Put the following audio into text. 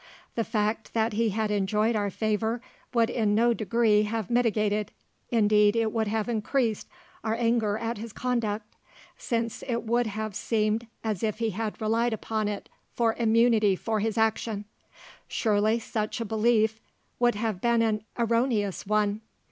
The fact that he had enjoyed our favour would in no degree have mitigated indeed it would have increased our anger at his conduct, since it would have seemed as if he had relied upon it for immunity for his action. Surely, such a belief would have been an erroneous one.